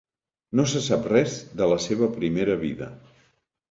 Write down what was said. No se sap res de la seva primera vida.